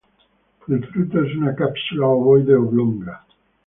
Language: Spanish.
El fruto es una cápsula ovoide-oblonga.